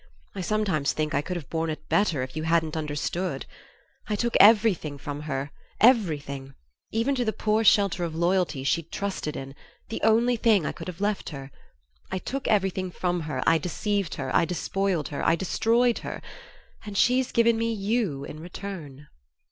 I sometimes think I could have borne it better if you hadn't understood! I took everything from her everything even to the poor shelter of loyalty she'd trusted in the only thing I could have left her! I took everything from her, I deceived her, I despoiled her, I destroyed her and she's given me YOU in return!"